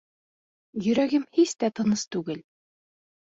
Йөрәгем һис тә тыныс түгел.